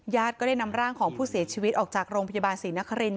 ก็ได้นำร่างของผู้เสียชีวิตออกจากโรงพยาบาลศรีนครินท